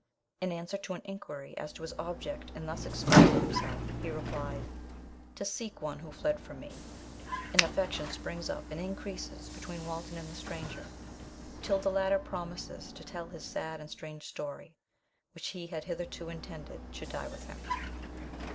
In answer to an inquiry as to his object in thus exposing himself, he replied, "To seek one who fled from me." An affection springs up and increases between Walton and the stranger, till the latter promises to tell his sad and strange story, which he had hitherto intended should die with him.